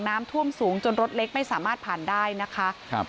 น้ำท่วมสูงจนรถเล็กไม่สามารถผ่านได้นะคะครับ